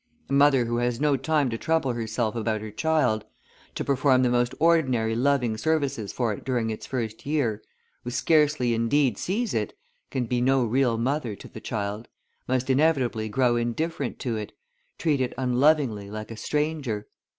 A mother who has no time to trouble herself about her child, to perform the most ordinary loving services for it during its first year, who scarcely indeed sees it, can be no real mother to the child, must inevitably grow indifferent to it, treat it unlovingly like a stranger.